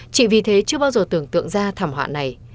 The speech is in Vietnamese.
chỉ vì thế chưa bao giờ tưởng tượng ra thảm họa này